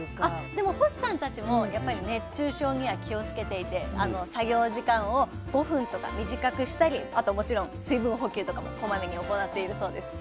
でも星さんたちも熱中症には気をつけていて作業時間を５分とか短くしたりあともちろん水分補給とかもこまめに行っているそうです。